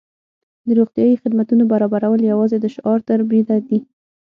د روغتیايي خدمتونو برابرول یوازې د شعار تر بریده دي.